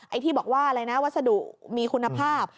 ไอ้ที่บอกว่าอะไรนะวัสดุมีคุณภาพ